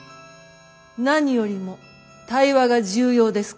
何よりも対話が重要ですから。